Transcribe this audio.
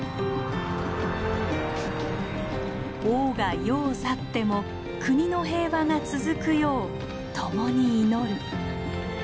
王が世を去っても国の平和が続くよう共に祈る。